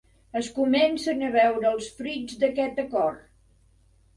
Es comencen a veure els fruits d'aquest acord.